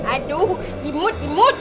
aduh gimut gimut